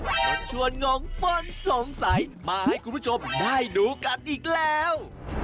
ชวนงงป้นสงสัยมาให้คุณผู้ชมได้ดูกันอีกแล้ว